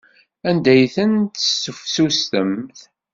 Anda ay ten-tesseftutsemt?